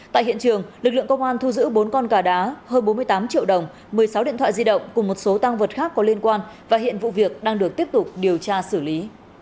tại hiện trường lực lượng công an thu giữ bốn con gà đá hơn bốn mươi tám triệu đồng một mươi sáu điện thoại di động cùng một số tăng vật khác có liên quan và hiện vụ việc đang được tiếp tục điều tra xử lý